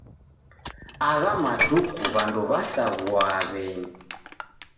Agha matuku w'andu w'asaghua w'eni.